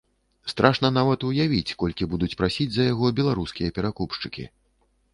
Страшна нават уявіць, колькі будуць прасіць за яго беларускія перакупшчыкі.